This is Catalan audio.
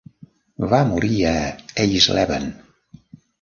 Va morir a Eisleben.